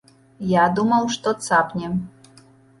Я думаў, што цапне.